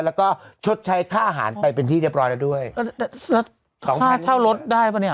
แล้วก็ชดใช้ค่าอาหารไปเป็นที่เรียบร้อยแล้วด้วยแล้วของค่าเช่ารถได้ป่ะเนี่ย